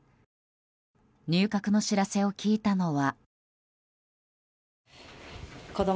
入閣の知らせを聞いたのは。